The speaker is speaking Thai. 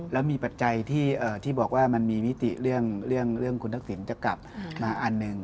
แล้วมีปัจจัยที่บอกว่ามันมีมิติเรื่องคุณทักษิณจะกลับมาอันหนึ่ง